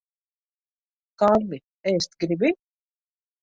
Kārli, ēst gribi?